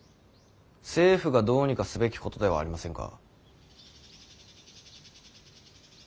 政府がどうにかすべきことではありませんか。